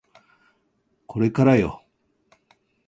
これからよ